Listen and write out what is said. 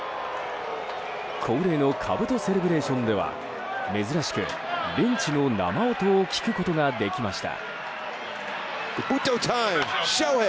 恒例のかぶとセレブレーションでは珍しくベンチの生音を聞くことができました。